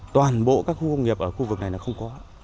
toàn bộ các khu công nghiệp ở khu vực này là không có